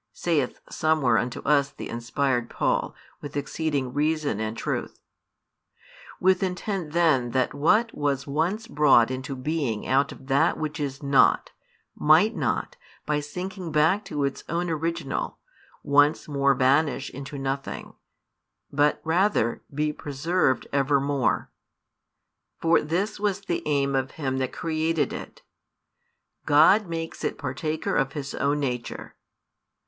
saith somewhere unto us the inspired Paul, with exceeding reason and truth. With intent then that what was once brought into being out of that which is not, might not, by sinking back to its own original, once more vanish into nothing, but rather be preserved evermore for this was the aim of Him that created it God makes it partaker of His own nature.